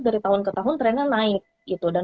dari tahun ke tahun trennya naik gitu dan